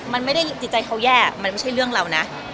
มันไม่ได้จิตใจเขาแย่มันไม่ใช่เรื่องเรานะ